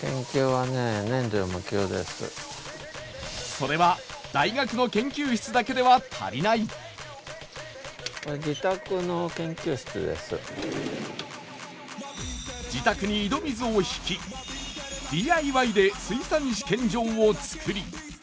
それは自宅に井戸水をひきＤＩＹで水産試験場を作り